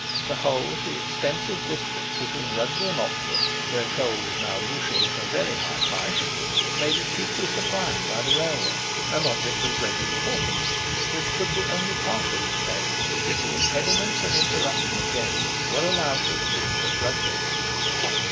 The whole of the extensive district between Rugby and Oxford, where coal is now usually at a very high price, may be cheaply supplied by Railway; an object of great importance, which could be only partially attained if the impediment of an interruption of gauge were allowed to exist at Rugby.